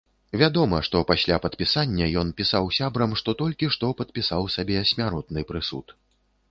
Вядома, што пасля падпісання ён пісаў сябрам, што толькі што падпісаў сабе смяротны прысуд.